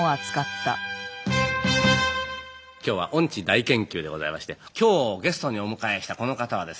今日は「オンチ大研究」でございまして今日ゲストにお迎えしたこの方はですね